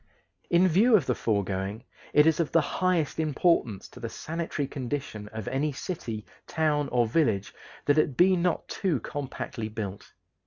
In view of the foregoing, it is of the highest importance to the sanitary condition of any city, town, or village that it be not too compactly built.